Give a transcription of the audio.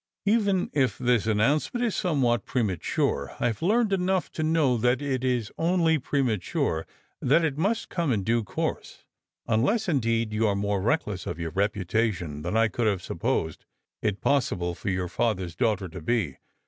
" Even if this announcement is somewhat premature, I have learned enough to know that it is only premature, that it must come in due course, unless, indeed, you are more reckless of your reputation than I could have supposed it possible for your father's daughter to be.